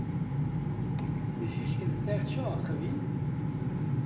Bijîşk li ser çi axivî?